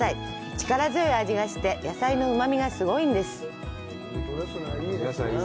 力強い味がして野菜のうまみがすごいんです。